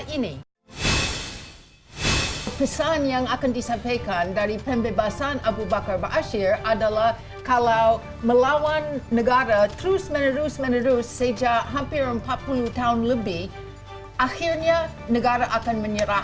peluang khusus dan ini pemerintah ini pesan yang akan disampaikan dari pembebasan abu bakar pak asyir adalah kalau melawan negara terus menerus menerus sejak hampir empat puluh tahun lebih akhirnya negara akan menyerah